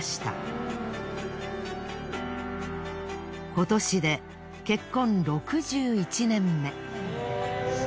今年で結婚６１年目。